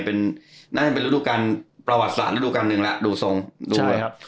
เป็นน่าจะเป็นฤดูกรรมประวัติศาสตร์ฤดูกรรมหนึ่งละดูทรงใช่ครับ